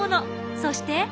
そして。